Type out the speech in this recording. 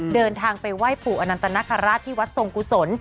เดินทางไปไหว้ผู๓๐๐๐คาราธิวัสธ์สมกุสล